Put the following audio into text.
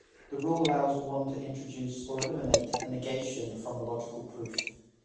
The rule allows one to introduce or eliminate a negation from a logical proof.